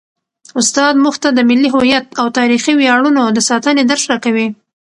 استاد موږ ته د ملي هویت او تاریخي ویاړونو د ساتنې درس راکوي.